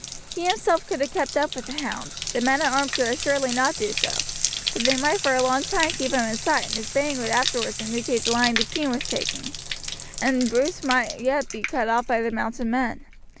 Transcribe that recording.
He himself could have kept up with the hound; the men at arms could assuredly not do so, but they might for a long time keep him in sight, and his baying would afterwards indicate the line the king was taking, and Bruce might yet be cut off by the mounted men.